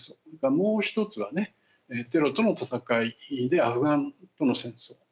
それからもう一つはテロとの戦いでアフガンとの戦争。